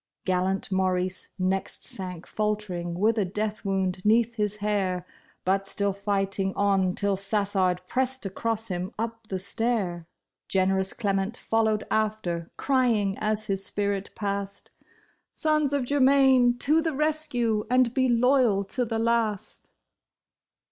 Gallant Maurice next sank faltering with a death wound 'neath his hair. But still fighting on till Sassard pressed across him up the stair. THE DEFENCE OF THE BRIDE. 5 Generous Clement followed after, crying as his spirit passed, '' Sons of Germain to the rescue, and be loyal to the last